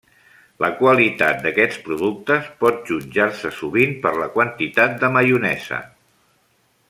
La qualitat d'aquests productes pot jutjar-se sovint per la quantitat de maionesa.